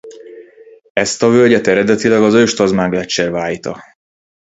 Ezt a völgyet eredetileg az Ős-Tasman-gleccser vájta.